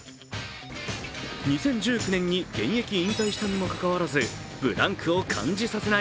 ２０１９年に現役引退したにもかかわらず、ブランクを感じさせない